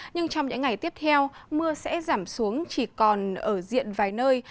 nhưng trong những ngày tiếp theo mưa sẽ giảm xuống chỉ còn ở diện vài nơi